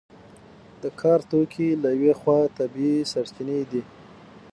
د کار توکي له یوې خوا طبیعي سرچینې دي.